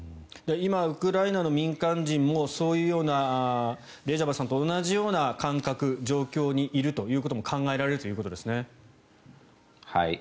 今、ウクライナの民間人もそういうようなレジャバさんと同じような感覚、状況にいるということも考えられるということですね。